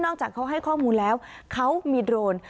จากเขาให้ข้อมูลแล้วเขามีโดรน